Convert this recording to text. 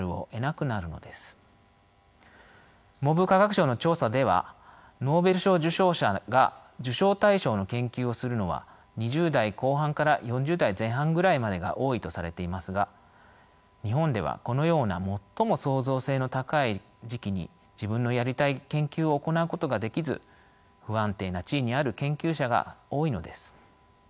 文部科学省の調査ではノーベル賞受賞者が受賞対象の研究をするのは２０代後半から４０代前半ぐらいまでが多いとされていますが日本ではこのような最も創造性の高い時期に自分のやりたい研究を行うことができず不安定な地位にある研究者が多いのです。